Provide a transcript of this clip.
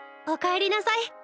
おかえりなさい。